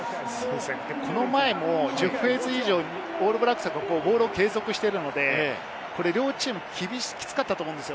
この前も１０フェーズ以上、ボールを継続しているので、両チーム、キツかったと思うんです。